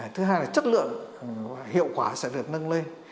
thứ hai là chất lượng hiệu quả sẽ được nâng lên